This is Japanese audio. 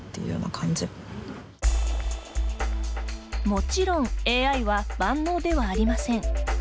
もちろんＡＩは万能ではありません。